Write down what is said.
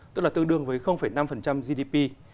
tức là tương đương với năm gdp